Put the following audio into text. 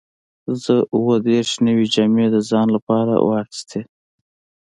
زه اووه دیرش نوې جامې د ځان لپاره واخیستې.